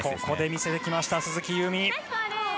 ここで見せてきました、鈴木夕湖。